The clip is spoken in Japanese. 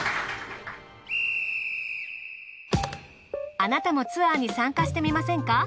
あなたもツアーに参加してみませんか？